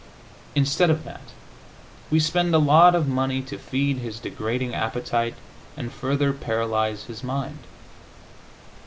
Instead of that, we spend a lot of money to feed his degrading appetite and further paralyze his mind.